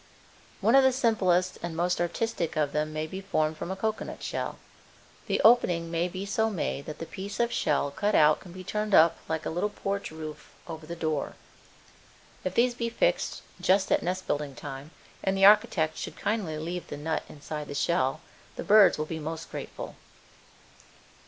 One of the simplest and most artistic of them may be formed from a cocoanut shell. The opening may be so made that the piece of shell cut out can be turned up like a little porch roof over the door. If these be fixed just at nest building time and the architect should kindly leave the nut inside the shell the birds will be most grateful.